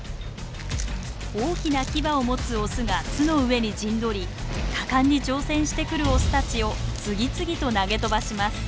大きなキバを持つオスが巣の上に陣取り果敢に挑戦してくるオスたちを次々と投げ飛ばします。